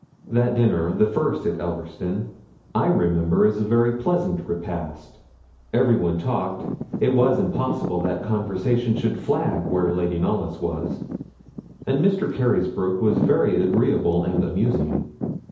That dinner, the first at Elverston, I remember as a very pleasant repast. Everyone talked it was impossible that conversation should flag where Lady Knollys was; and Mr. Carysbroke was very agreeable and amusing.